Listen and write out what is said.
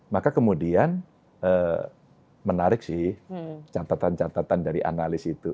maka kemudian menarik sih catatan catatan dari analis itu